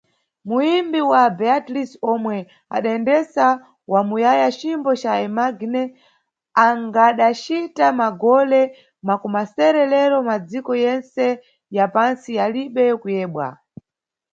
Muyimbi wa Beatles, omwe adayendesa wa muyaya cimbo ca "Imagine", angadacita magole makumasere lero, madziko yentse ya pantsi yalibe kuyebwa.